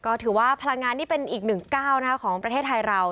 ก็ถือว่าพลังงานนี่เป็นอีกหนึ่งก้าวของประเทศไทยเรา